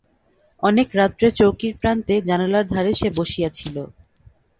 অনেক রাত্রে চৌকির প্রান্তে জানালার ধারে সে বসিয়া ছিল।